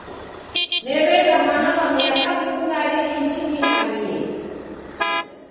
Nereka mwana wa miaka mfungade iji dihamie.